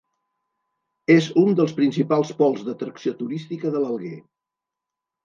És un dels principals pols d'atracció turística de l'Alguer.